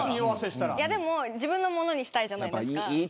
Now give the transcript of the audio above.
でも、自分のものにしたいじゃないですか。